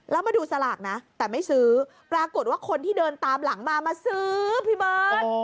แล้วมาดูสลากนะแต่ไม่ซื้อปรากฏว่าคนที่เดินตามหลังมามาซื้อพี่เบิร์ต